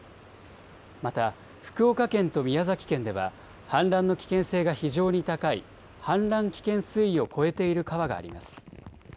また福岡県と宮崎県では氾濫の危険性が非常に高い氾濫危険水位を超えている川があります。